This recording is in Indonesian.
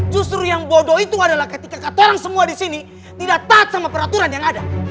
justru yang bodoh itu adalah ketika kita tolong semua di sini tidak taat sama peraturan yang ada